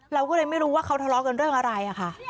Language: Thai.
เราก็เลยไม่รู้ว่าเขาทะเลาะกันเรื่องอะไรค่ะ